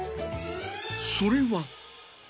それは。